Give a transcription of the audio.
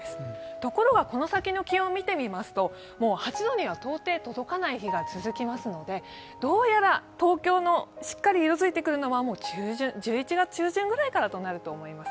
ところがこの先の気温見てみますと、８度には到底届かない日が続きますので、どうやら東京のしっかり色づいてくるのは１１月中旬ぐらいからだと思います。